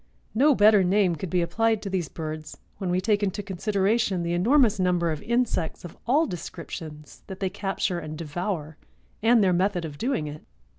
No better name could be applied to these birds when we take into consideration the enormous number of insects, of all descriptions, that they capture and devour and their method of doing it.